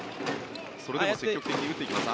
それでも積極的に打っていきます。